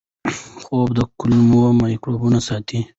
خوب د کولمو مایکروبیوم ساتنه کوي.